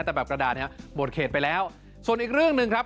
แต่แบบกระดาษเนี่ยหมดเขตไปแล้วส่วนอีกเรื่องหนึ่งครับ